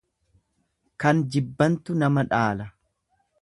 Kan jibbantu nama dhaala.